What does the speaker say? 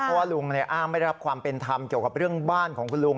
เพราะว่าลุงอ้างไม่ได้รับความเป็นธรรมเกี่ยวกับเรื่องบ้านของคุณลุง